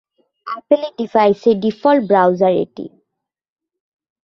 অ্যাপলের ডিভাইসের default browser এটি।